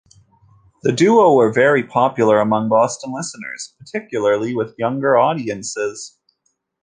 The duo were very popular among Boston listeners, particularly with younger audiences.